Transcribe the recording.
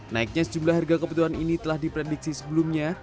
naiknya sejumlah harga kebutuhan ini telah diprediksi sebelumnya